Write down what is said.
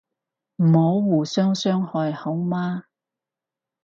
唔好互相傷害好嗎